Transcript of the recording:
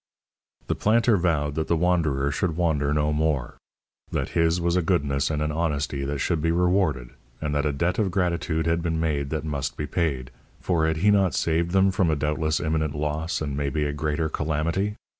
The planter vowed that the wanderer should wander no more; that his was a goodness and an honesty that should be rewarded, and that a debt of gratitude had been made that must be paid; for had he not saved them from a doubtless imminent loss, and maybe a greater calamity?